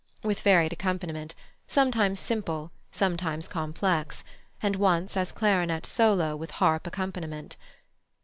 with varied accompaniment, sometimes simple, sometimes complex, and once as clarinet solo with harp accompaniment.